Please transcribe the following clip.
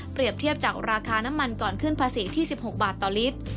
เทียบจากราคาน้ำมันก่อนขึ้นภาษีที่๑๖บาทต่อลิตร